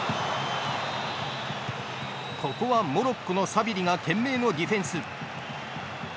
ここはモロッコのサビリが懸命のディフェンス。